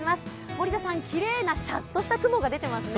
森田さん、きれいなシャッとした雲が出てますね。